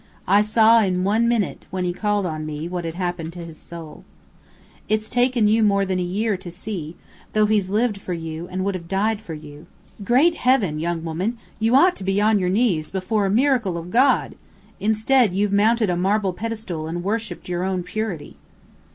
I saw in one minute, when he called on me, what had happened to his soul. It's taken you more than a year to see, though he's lived for you and would have died for you. Great Heaven, young woman, you ought to be on your knees before a miracle of God! Instead, you've mounted a marble pedestal and worshipped your own purity!"